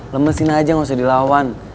lemesin aja gak usah dilawan